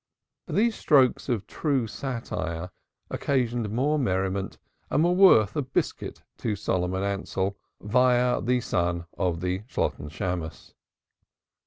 '" These strokes of true satire occasioned more merriment and were worth a biscuit to Solomon Ansell vice the son of the Shalotten Shammos.